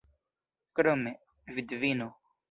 Krome, vidvino.